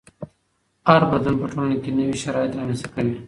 هر بدلون په ټولنه کې نوي شرایط رامنځته کوي.